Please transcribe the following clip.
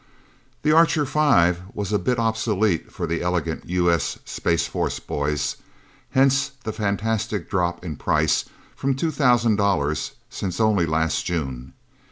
The Archer Five was a bit obsolete for the elegant U.S. Space Force boys hence the fantastic drop in price from two thousand dollars since only last June.